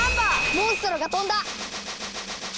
モンストロが飛んだ！